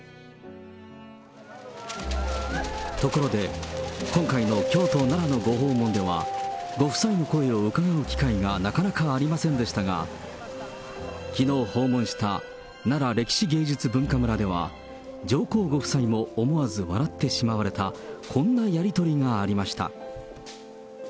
ところで、今回の京都、奈良のご訪問では、ご夫妻の声を伺う機会がなかなかありませんでしたが、きのう訪問したなら歴史芸術文化村では、上皇ご夫妻も思わず笑ってしまわれたこんなやり取りがありました。